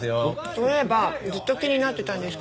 そういえばずっと気になってたんですけど